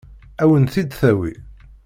Ad wen-t-id-tawi?